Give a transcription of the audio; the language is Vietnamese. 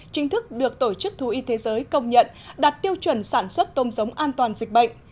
chính thức được tổ chức thú y thế giới công nhận đạt tiêu chuẩn sản xuất tôm giống an toàn dịch bệnh